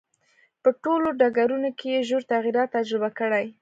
په ټولو ډګرونو کې یې ژور تغییرات تجربه کړي.